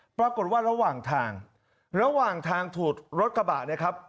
ปรากฏว่าระหว่างทางระหว่างทางถูกรถกระบะนะครับ